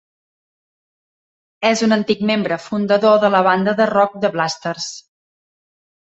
És un antic membre fundador de la banda de rock "The Blasters".